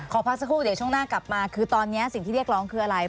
พักสักครู่เดี๋ยวช่วงหน้ากลับมาคือตอนนี้สิ่งที่เรียกร้องคืออะไร